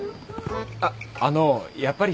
あっあのうやっぱり。